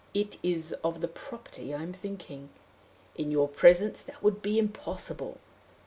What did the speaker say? it is of the property I am thinking. In your presence that would be impossible.